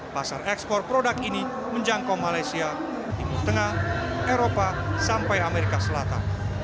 pasar ekspor produk ini menjangkau malaysia timur tengah eropa sampai amerika selatan